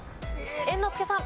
猿之助さん。